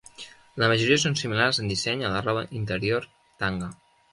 La majoria són similars en disseny a la roba interior tanga.